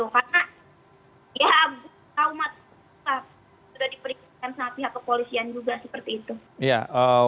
karena ya umat sudah diperiksa oleh pihak kepolisian juga seperti itu